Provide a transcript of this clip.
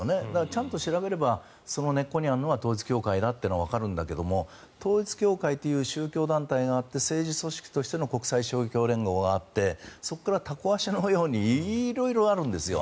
ちゃんと調べればその根っこにあるのは統一教会だとわかるけれども統一教会という宗教団体があって政治組織としての国際勝共連合があってそこからタコ足のように色々あるんですよ。